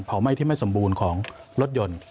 ไหม้ที่ไม่สมบูรณ์ของรถยนต์